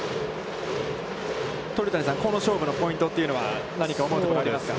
鳥谷さん、この勝負のポイントというのは、何か思うところはありますか。